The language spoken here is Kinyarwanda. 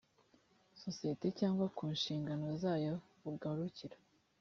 sosiyete cyangwa ku nshingano zayo bugarukira